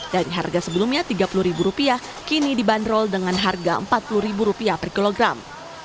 dan harga sebelumnya rp tiga puluh kini dibanderol dengan harga rp empat puluh per kilogram